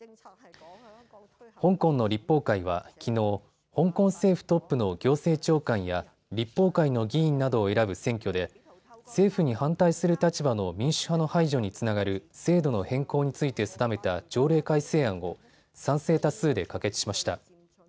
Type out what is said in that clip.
香港の立法会はきのう、香港政府トップの行政長官や立法会の議員などを選ぶ選挙で政府に反対する立場の民主派の排除につながる制度の変更について定めた条例改正案を賛成多数で可決しました。